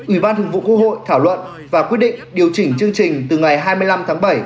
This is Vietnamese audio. ủy ban thường vụ quốc hội thảo luận và quyết định điều chỉnh chương trình từ ngày hai mươi năm tháng bảy